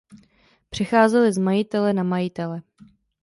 Přecházely z majitele na majitele.